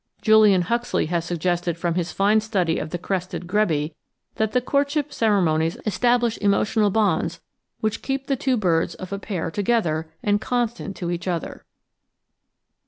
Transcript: Julian Huxley has suggested from his fine study of the Crested Grebe that the courtship ceremonies establish emotional bonds which keep the two birds of a pair together and constant to each other.